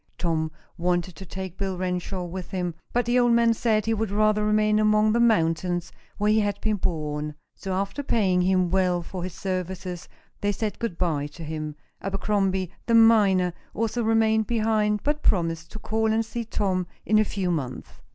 Tom wanted to take Bill Renshaw with him, but the old man said he would rather remain among the mountains where he had been born. So, after paying him well for his services, they said good by to him. Abercrombie, the miner, also remained behind, but promised to call and see Tom in a few months.